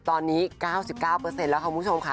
ตอนนี้๙๙แล้วค่ะคุณผู้ชมค่ะ